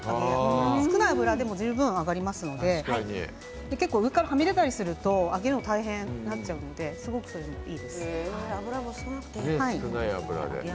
少ない油でも十分揚がりますのではみ出したりすると揚げるのが大変になっちゃうのですごく揚げやすいです。